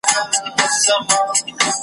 مامي سوګند پر هر قدم ستا په نامه کولای .